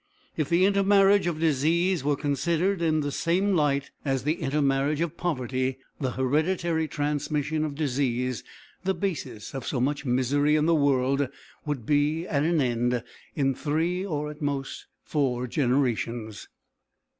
If the intermarriage of disease were considered in the same light as the intermarriage of poverty, the hereditary transmission of disease, the basis of so much misery in the world, would be at an end in three or at most four generations.